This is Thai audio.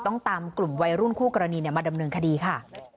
ตามกลุ่มวัยรุ่นคู่กรณีมาดำเนินคดีค่ะ